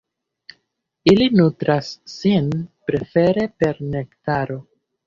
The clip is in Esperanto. Ili nutras sin prefere per nektaro.